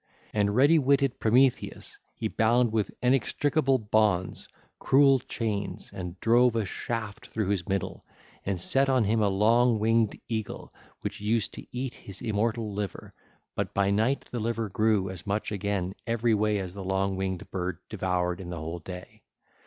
And ready witted Prometheus he bound with inextricable bonds, cruel chains, and drove a shaft through his middle, and set on him a long winged eagle, which used to eat his immortal liver; but by night the liver grew as much again everyway as the long winged bird devoured in the whole day.